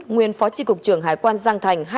nguyên phó chi cục trường hải quan giang thành